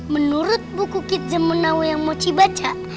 menurut buku kit zemunawa yang mochi baca